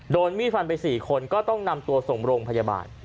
โดนมีดฟันไป๔คนก็ต้องนำตัวส่งโรงพยาบาล